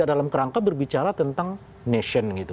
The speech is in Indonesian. karena dalam kerangka berbicara tentang nation gitu